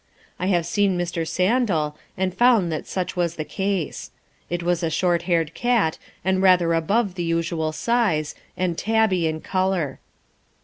I have seen Mr. Sandal, and found that such was the case. It was a short haired cat, and rather above the usual size, and tabby in colour.